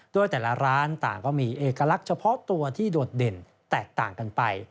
โดยแต่ละร้านต่างก็มีเอกลักษณ์เฉพาะตัวที่โดดเด่นแตกต่างกันไป